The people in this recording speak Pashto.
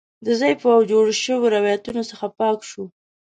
له ضعیفو او جوړو شویو روایتونو څخه پاک شو.